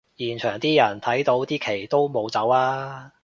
現場啲人睇到啲旗都冇走吖